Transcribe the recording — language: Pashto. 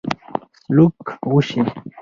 سلوک وشي.